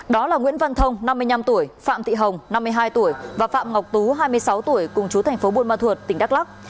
đó là nguyễn văn thông năm mươi năm tuổi phạm thị hồng năm mươi hai tuổi và phạm ngọc tú hai mươi sáu tuổi cùng chú thành phố buôn ma thuột tỉnh đắk lắc